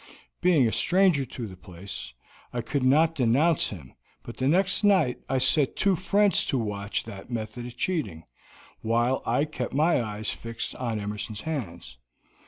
Being a stranger in the place, I could not denounce him, but the next night I set two friends to watch that method of cheating, while I kept my eyes fixed on Emerson's hands.